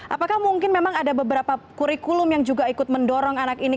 apakah mungkin memang ada beberapa kurikulum yang juga ikut mendorong anak ini